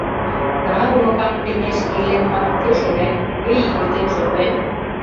— Тынар уныкан лиймешке илем манын, кӧ шонен, кӧ ийготем шотлен?